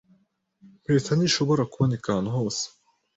Impeta ntishobora kuboneka ahantu hose.